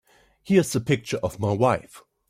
Here's the picture of my wife.